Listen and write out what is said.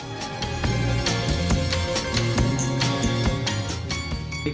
kita kalau lagi pas kerja